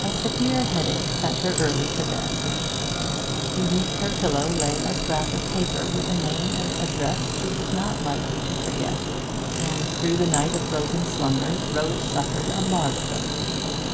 A severe headache sent her early to bed. Beneath her pillow lay a scrap of paper with a name and address she was not likely to forget. And through the night of broken slumbers Rose suffered a martyrdom.